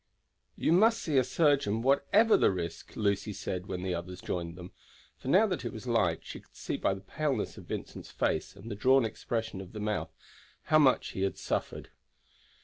"You must see a surgeon whatever the risk," Lucy said when the others joined them, for now that it was light she could see by the paleness of Vincent's face, and the drawn expression of the mouth, how much he had suffered.